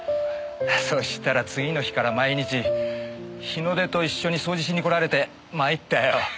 そしたら次の日から毎日日の出と一緒に掃除しに来られて参ったよ。